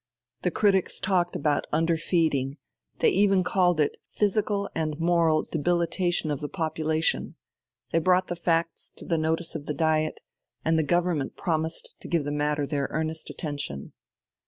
The critics talked about under feeding, they even called it physical and moral debilitation of the population; they brought the facts to the notice of the Diet, and the Government promised to give the matter their earnest attention.